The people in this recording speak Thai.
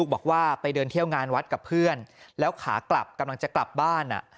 บอกว่าไปเดินเที่ยวงานวัดกับเพื่อนแล้วขากลับกำลังจะกลับบ้าน